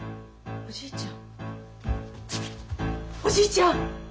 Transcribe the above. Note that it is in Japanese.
おじいちゃん！